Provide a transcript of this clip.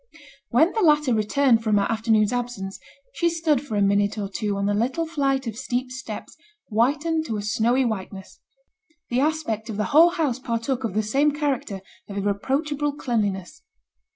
When the latter returned from her afternoon's absence, she stood for a minute or two on the little flight of steep steps, whitened to a snowy whiteness; the aspect of the whole house partook of the same character of irreproachable cleanliness.